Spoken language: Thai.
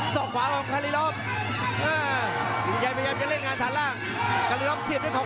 สองขวาของคัลลี่รอบ